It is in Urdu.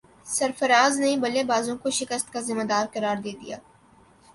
سرفراز نے بلے بازوں کو شکست کا ذمہ دار قرار دے دیا